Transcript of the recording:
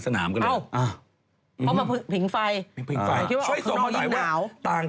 ซักท้อง